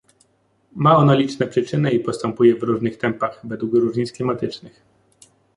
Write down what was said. Ma ono liczne przyczyny i postępuje w różnych tempach według różnic klimatycznych